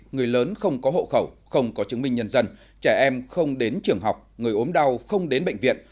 người lớn không có hộ khẩu không có chứng minh nhân dân trẻ em không đến trường học người ốm đau không đến bệnh viện